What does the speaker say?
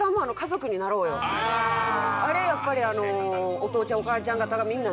あれやっぱり。